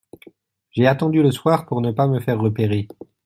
J’ai attendu le soir, pour ne pas me faire repérer.